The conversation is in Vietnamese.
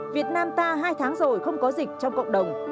việt nam ta hai tháng rồi không có dịch trong cộng đồng